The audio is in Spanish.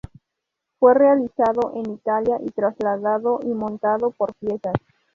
Fue realizado en Italia y trasladado y montado por piezas.